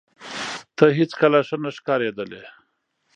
ته هیڅکله ښه نه ښکارېدلې